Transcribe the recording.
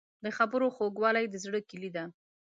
د خبرو خوږوالی د زړه کیلي ده.